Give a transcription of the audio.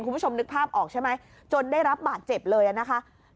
คุณผู้ชมนึกภาพออกใช่ไหมจนได้รับบาดเจ็บเลยนะคะ